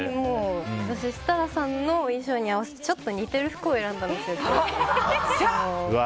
私、設楽さんの衣装に合わせてちょっと似てる服を選んだんですよ。